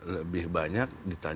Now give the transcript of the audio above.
lebih banyak ditanyakan